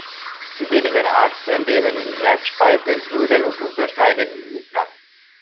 Die wenigen Arten leben in Erdspalten, Höhlen und unter Steinen im Ödland.